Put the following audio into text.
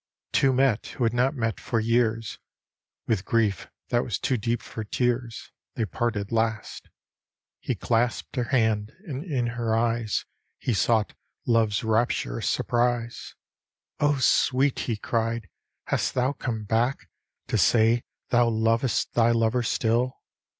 Two met who had not met for years: With grief that was too deep for tears They parted last. He clasped her hand, and in her eyes He sought Love's rapturous surprise. " Oh, Sweet! " he cried, " hast thou come back To say thou lov'st thy lover still?"